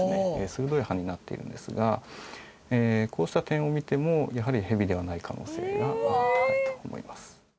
鋭い歯になっているんですがこうした点を見てもやはりヘビではない可能性が高いと思います